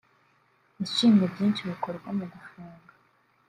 yashimye byinshi bikorwa mu gufunga